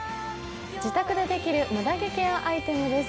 自宅でできるムダ毛ケアアイテムです。